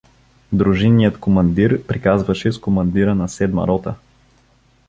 Дружинният командир приказваше с командира на седма рота.